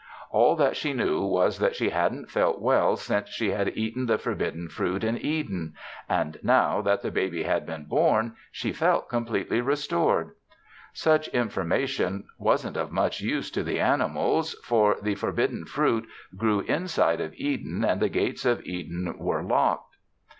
All that she knew was that she hadn't felt well since she had eaten the forbidden fruit in Eden and, now that the baby had been born, she felt completely restored. Such information wasn't of much use to the animals, for the forbidden fruit grew inside of Eden and the gates of Eden were locked.